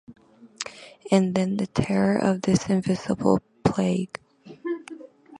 And then the terror of this invisible plague.